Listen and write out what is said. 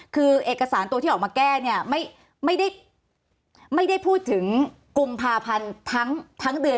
คือเอกสารตัวที่ออกมาแก้เนี่ยไม่ได้พูดถึงกุมภาพันธ์ทั้งเดือน